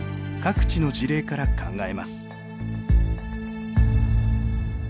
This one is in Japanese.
各地の事例から考えます。